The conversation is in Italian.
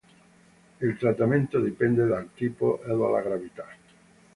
Il trattamento dipende dal tipo e dalla gravità.